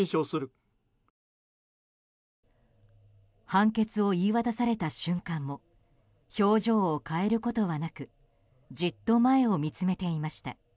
判決を言い渡された瞬間も表情を変えることはなくじっと前を見つめていました。